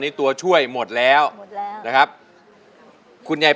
ส่งเสดีย์จานกว้าง